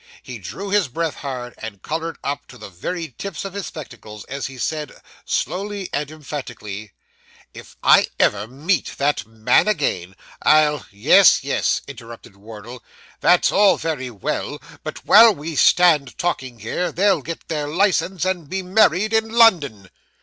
He drew his breath hard, and coloured up to the very tips of his spectacles, as he said, slowly and emphatically 'If ever I meet that man again, I'll ' 'Yes, yes,' interrupted Wardle, 'that's all very well; but while we stand talking here, they'll get their licence, and be married in London.